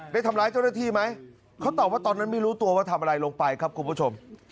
ได้ทำร้ายเจ้าหน้าที่ไหมเขาตอบว่าตอนนั้นไม่รู้ตัวว่าทำอะไรลงไปครับคุณผู้ชม